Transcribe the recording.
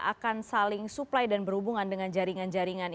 akan saling supply dan berhubungan dengan jaringan jaringan